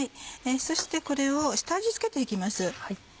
そしてこれを下味付けて行きます。